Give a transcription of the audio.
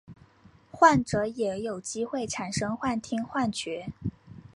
患者也有机会产生幻听幻觉。